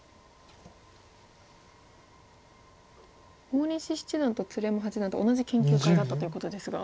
大西七段と鶴山八段と同じ研究会だったということですが。